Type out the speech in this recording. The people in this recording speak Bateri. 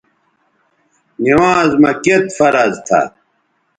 نِوانز مہ کِت فرض تھا